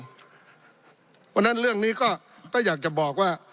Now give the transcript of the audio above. เพราะฉะนั้นเรื่องนี้ก็อยากจะบอกว่า